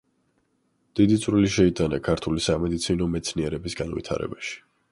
დიდი წვლილი შეიტანა ქართული სამედიცინო მეცნიერების განვითარებაში.